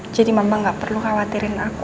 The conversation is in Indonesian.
jadi mama nggak perlu khawatirin aku